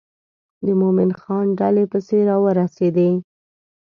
د مومن خان ډلې پسې را ورسېدې.